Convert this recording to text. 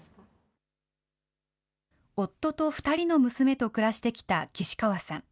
夫と２人の娘と暮らしてきた岸川さん。